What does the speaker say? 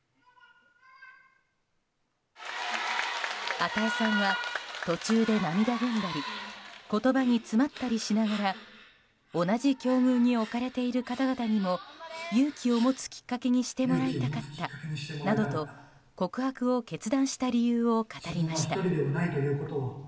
與さんは途中で涙ぐんだり言葉に詰まったりしながら同じ境遇に置かれている方々にも勇気を持つきっかけにしてもらいたかったなどと告白を決断した理由を語りました。